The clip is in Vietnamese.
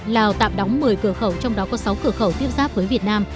lào tạm đóng một mươi cửa khẩu trong đó có sáu cửa khẩu tiếp giáp với việt nam